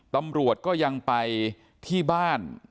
ตำรวจก็ยังไปที่บ้าน